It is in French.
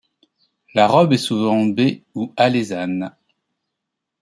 La robe est souvent baie ou alezane.